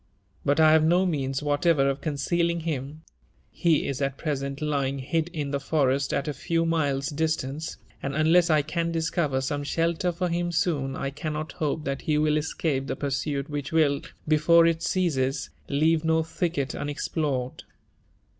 But I have no means whatever of concealing him : he is at present lying hid in the forest at a few miles' distance, and unlesslcan discover some shelter for him soon, I cannot hope thathe will escape the pursuit which will, before it ceases, leave no thicket unex plored."